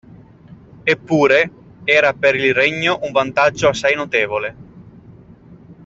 Eppure, era per il regno un vantaggio assai notevole.